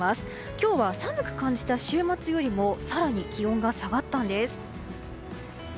今日は寒く感じた週末よりも更に、気温が下がったんです。